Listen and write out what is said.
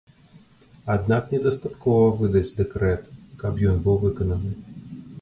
Аднак недастаткова выдаць дэкрэт, каб ён быў выкананы.